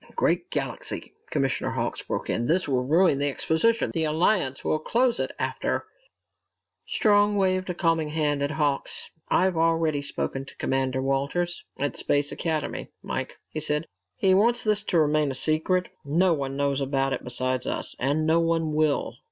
"Great galaxy," Commissioner Hawks broke in. "This will ruin the exposition! The Alliance will close it after " Strong waved a calming hand at Hawks. "I've already spoken to Commander Walters at Space Academy, Mike," he said. "He wants this to remain a secret. No one knows about it besides us, and no one will.